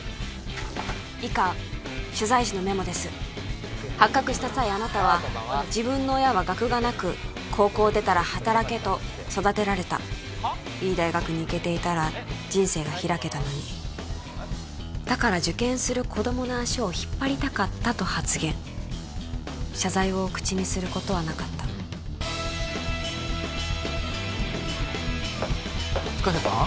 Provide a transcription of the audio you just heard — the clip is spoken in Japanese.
以下取材時のメモです発覚した際あなたは自分の親は学がなく高校を出たら働けと育てられたいい大学に行けていたら人生が開けたのにだから受験する子供の足を引っ張りたかったと発言謝罪を口にすることはなかった深瀬さん？